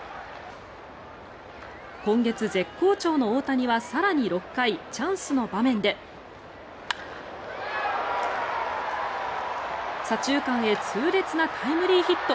今月絶好調の大谷は更に６回チャンスの場面で左中間へ痛烈なタイムリーヒット。